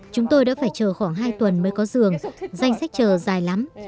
chúng tôi đã phải chờ khoảng hai tuần mới có giường danh sách chờ dài lắm